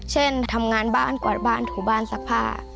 เช่นทำงานบ้านกวาดบ้านถูบ้านซักผ้า